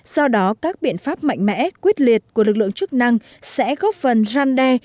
do đó các biện pháp mạnh mẽ quyết liệt của lực lượng chức năng sẽ góp phần răn đe